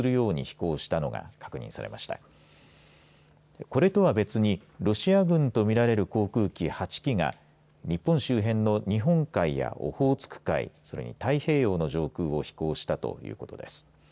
これとは別にロシア軍とみられる航空機８機が日本周辺の日本海やオホーツク海それに太平洋の上空を飛行したということです。